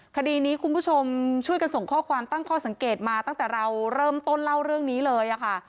คดีนี้คุณผู้ชมช่วยกันส่งข้อความตั้งข้อสังเกตมาตั้งแต่เราเริ่มต้นเล่าเรื่องนี้เลยค่ะ